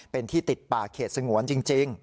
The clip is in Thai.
เป็นที่ติดป่าเขตสงวนจริง